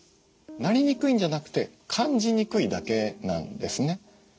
なりにくいんじゃなくて感じにくいだけなんですね。